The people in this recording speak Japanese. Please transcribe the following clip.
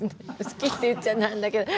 好きって言っちゃなんだけど。